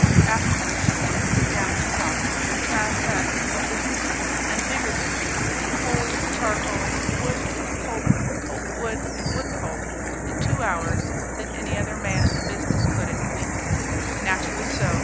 After which he could sit down in his office and transact more business, and bigger business, in coal, charcoal, wood, pulp, pulpwood, and woodpulp, in two hours than any other man in the business could in a week. Naturally so.